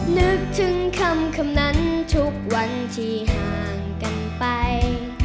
นึกถึงคำนั้นทุกวันที่ห่างกันไป